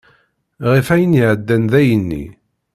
Ɣef ayen iɛeddan dayenni.